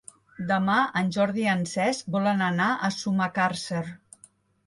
Demà en Jordi i en Cesc volen anar a Sumacàrcer.